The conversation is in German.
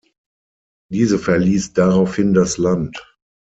Diese verließ daraufhin das Land.